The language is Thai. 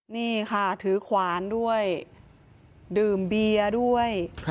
นี่ค่ะถือขวานด้วยดื่มเบียร์ด้วย